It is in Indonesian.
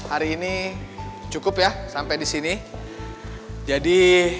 emang kamu bawa dari mana tadi